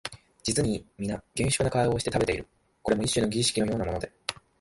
実にみな厳粛な顔をして食べている、これも一種の儀式のようなもので、